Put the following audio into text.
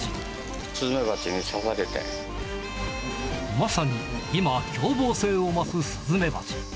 まさに今、凶暴性を増すスズメバチ。